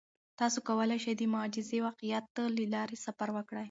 تاسو کولای شئ چې د مجازی واقعیت له لارې سفر وکړئ.